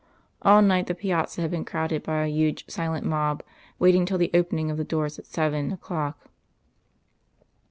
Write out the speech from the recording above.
All night the piazza had been crowded by a huge, silent mob waiting till the opening of the doors at seven o'clock.